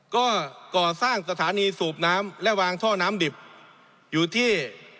ก็ก่อสร้างสถานีสูบน้ำและวางท่อน้ำดิบอยู่ที่